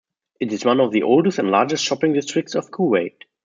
It is one of the oldest and largest shopping districts of Kuwait.